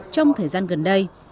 trong thời gian gần đây